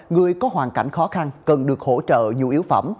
nếu có hoàn cảnh khó khăn cần được hỗ trợ dù yếu phẩm